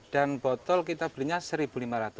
botol kita belinya rp satu lima ratus